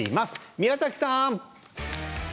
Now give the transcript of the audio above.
宮崎さん。